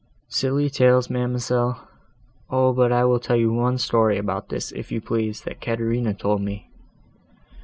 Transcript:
"Silly tales, ma'amselle! O, but I will tell you one story about this, if you please, that Caterina told me.